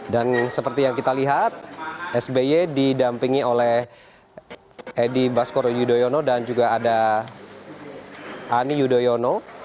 dan seperti yang kita lihat sby didampingi oleh edi baskoro yudhoyono dan juga ada ani yudhoyono